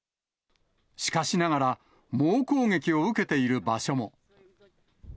しかしながら、猛攻撃を受けている場所も。